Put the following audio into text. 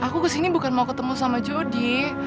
aku kesini bukan mau ketemu sama jody